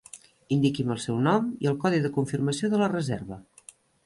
Indiqui'm el seu nom i el codi de confirmació de la reserva.